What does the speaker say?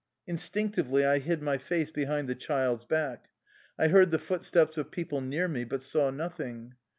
Instinctively I hid my face behind the child's back. I heard the footsteps of people near me, but saw nothing.